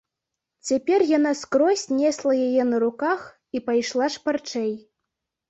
Цяпер яна скрозь несла яе на руках і пайшла шпарчэй.